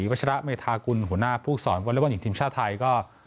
วัชระเมธากุลหัวหน้าผู้สอนวอเล็กบอลหญิงทีมชาติไทยก็